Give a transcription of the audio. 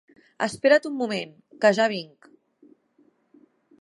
Espera't un moment, que ja vinc.